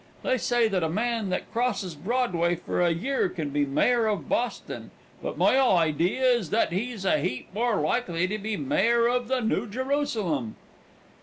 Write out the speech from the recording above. They say that a man that crosses Broadway for a year can be mayor of Boston, but my idee is that he's a heap more likely to be mayor of the New Jerusalem."